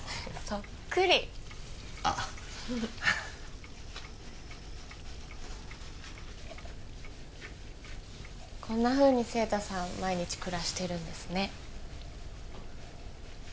そっくりあっこんなふうに晴太さん毎日暮らしているんですね